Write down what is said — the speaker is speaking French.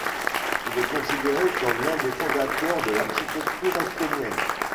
Il est considéré comme l'un des fondateurs de l'architecture estonienne.